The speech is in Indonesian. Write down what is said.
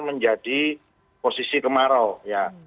menjadi posisi kemarau